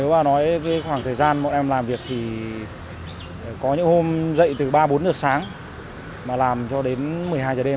và nói khoảng thời gian bọn em làm việc thì có những hôm dậy từ ba bốn giờ sáng mà làm cho đến một mươi hai giờ đêm